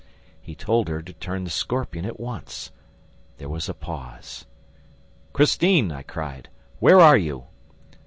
He told her to turn the scorpion at once. There was a pause. "Christine," I cried, "where are you?"